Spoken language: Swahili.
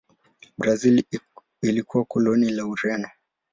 Brazil ilikuwa koloni la Ureno.